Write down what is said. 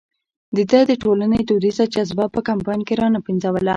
ده د ټولنې دودیزه جذبه په کمپاین کې را نه پنځوله.